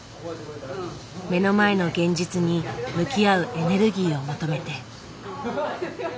目の前の現実に向き合うエネルギーを求めて。